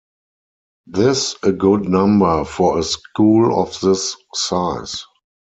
This a good number for a school of this size.